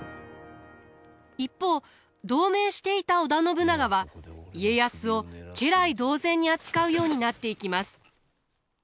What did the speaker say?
一方同盟していた織田信長は家康を家来同然に扱うようになっていきます。